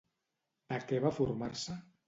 De què va formar-se?